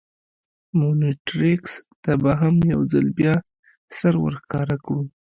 مونټریکس ته به هم یو ځل بیا سر ور ښکاره کړو.